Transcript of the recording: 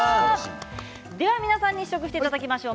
では皆さんに試食していただきましょう。